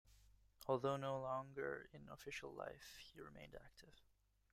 Although no longer in official life, he remained active.